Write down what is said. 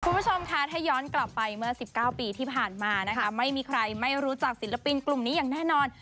คุณผู้ชมค่ะถ้าย้อนกลับไปเมื่อ๑๙ปีที่ผ่านมานะคะไม่มีใครไม่รู้จักศิลปินกลุ่มนี้อย่างแน่นอน